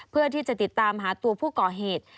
เพื่อที่จะติดตามหาตัวผู้ก่อเหตุ